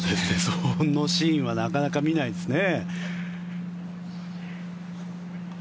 そのシーンはなかなか見ないですね。